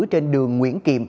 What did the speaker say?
trên đường nguyễn kiệm